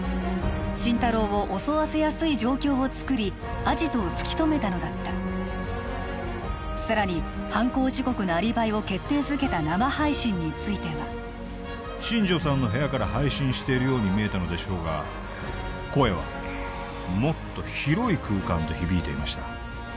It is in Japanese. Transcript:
心太朗を襲わせやすい状況を作りアジトを突き止めたのだったさらに犯行時刻のアリバイを決定づけた生配信については新城さんの部屋から配信しているように見えたのでしょうが声はもっと広い空間で響いていました